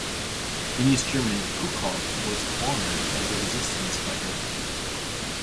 In East Germany, Kuckhoff was honoured as a resistance fighter.